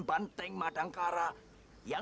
bang lima bernawa